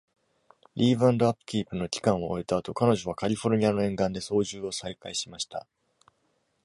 leave and upkeep の期間を終えた後、彼女はカリフォルニアの沿岸で操縦を再開しました。